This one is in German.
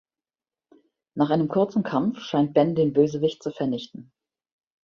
Nach einem kurzen Kampf scheint Ben den Bösewicht zu vernichten.